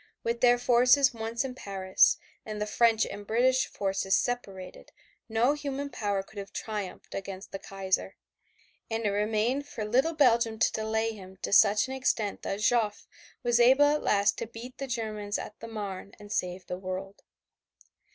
With their forces once in Paris and the French and British forces separated no human power could have triumphed against the Kaiser and it remained for little Belgium to delay him to such an extent that Joffre was able at last to beat the Germans at the Marne and save the world.